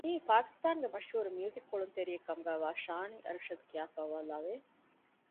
މިއީ ޕާކިސްތާނުގެ މަޝްހޫރު މިއުޒިކު ކުޅުންތެރިއެއް ކަމުގައިވާ ޝާނީ އަރްޝަދް ކިޔާފައިވާ ލަވައެއް